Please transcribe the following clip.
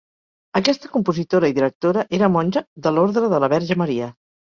Aquesta compositora i directora era monja de l’Ordre de la Verge Maria.